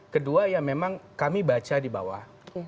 kedua ya memang kami baca di bawah